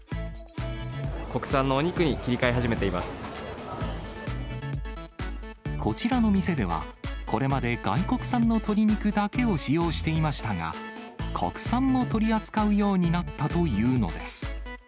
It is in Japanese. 国産のお肉に切り替え始めてこちらの店では、これまで外国産の鶏肉だけを使用していましたが、国産も取り扱うようになったというのです。